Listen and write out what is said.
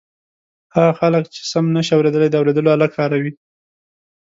هغه خلک چې سم نشي اورېدلای د اوریدلو آله کاروي.